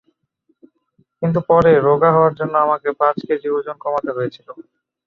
কিন্তু পরে রোগা হওয়ার জন্য আমাকে পাঁচ কেজি ওজন কমাতে হয়েছিল।